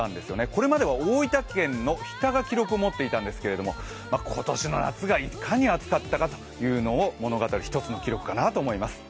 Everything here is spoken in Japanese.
これまでは大分県の日田が記録を持っていたんですけれども今年の夏がいかに暑かったかということを物語る一つの記録かと思います。